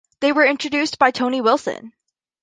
They were introduced by Tony Wilson.